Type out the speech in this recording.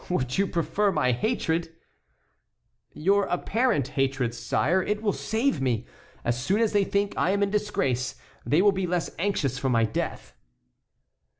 "Would you prefer my hatred?" "Your apparent hatred, sire. It will save me. As soon as they think I am in disgrace they will be less anxious for my death."